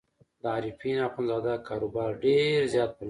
د عارفین اخندزاده کاروبار ډېر زیات پرمختګ وکړ.